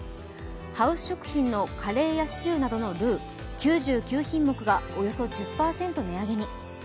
ハウス食品のカレーやシチューなどのルー９９品目がおよそ１０％値上げに。